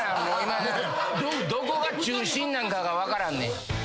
今どこが中心なんかが分からんね。